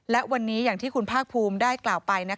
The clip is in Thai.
และวันนี้อย่างที่คุณภาคภูมิได้กล่าวไป